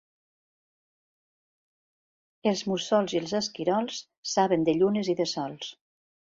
Els mussols i els esquirols saben de llunes i de sols.